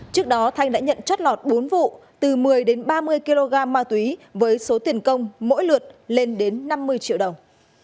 trước đó thanh đã nhận chất lọt bốn vụ từ một mươi đến ba mươi kg ma túy với số tiền công mỗi lượt lên đến năm mươi triệu đồng